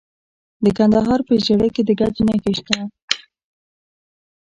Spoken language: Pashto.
د کندهار په ژیړۍ کې د ګچ نښې شته.